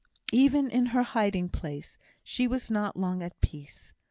Even in her hiding place she was not long at peace.